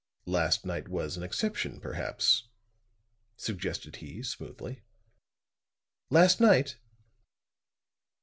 "Last night was an exception, perhaps," suggested he, smoothly. "Last night?"